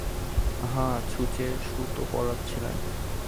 হাঁ, ছুঁচে সুতো পরাচ্ছিলেন।